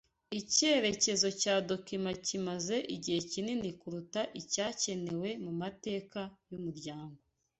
Icyerekezo cya dokima kimaze igihe kinini kuruta icyakenewe mumateka yumuryango